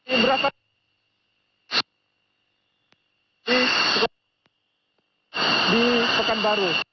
ini berasal dari pekanbaru